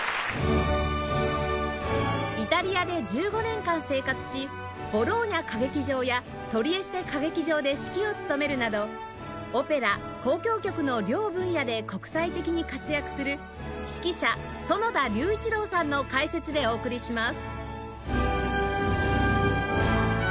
イタリアで１５年間生活しボローニャ歌劇場やトリエステ歌劇場で指揮を務めるなどオペラ交響曲の両分野で国際的に活躍する指揮者園田隆一郎さんの解説でお送りします